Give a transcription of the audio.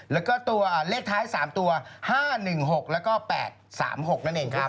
แล้วก็ตัวเลขท้าย๓ตัว๕๑๖แล้วก็๘๓๖นั่นเองครับ